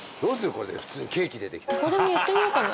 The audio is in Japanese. これで普通にケーキ出てきたらどこでも言ってみようかな？